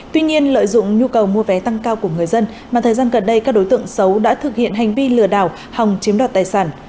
tuy nhiên lợi dụng nhu cầu mua vé tăng cao của người dân mà thời gian gần đây các đối tượng xấu đã thực hiện hành vi lừa đảo hòng chiếm đoạt tài sản